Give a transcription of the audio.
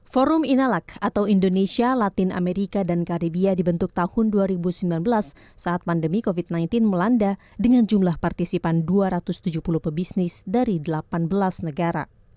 forum inalak atau indonesia latin amerika dan karibia dibentuk tahun dua ribu sembilan belas saat pandemi covid sembilan belas melanda dengan jumlah partisipan dua ratus tujuh puluh pebisnis dari delapan belas negara